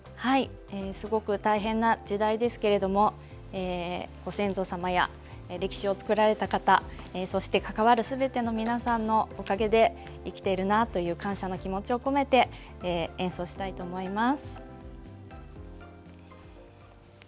すごく大変な時代ですけれどもご先祖様や歴史を作られた方そして、関わるすべての皆さんのおかげで生きているなという感謝の気持ちを込めて演奏したいと思います。